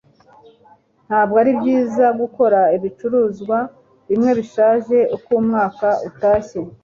ntabwo ari byiza gukora ibicuruzwa bimwe bishaje uko umwaka utashye